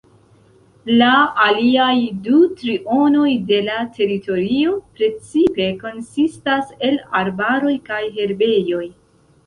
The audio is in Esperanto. La aliaj du trionoj de la teritorio precipe konsistas el arbaroj kaj herbejoj.